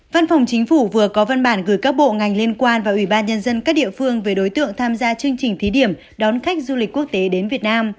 văn phòng chính phủ vừa có văn bản gửi các bộ ngành liên quan và ủy ban nhân dân các địa phương về đối tượng tham gia chương trình thí điểm đón khách du lịch quốc tế đến việt nam